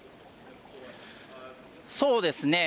そうですね。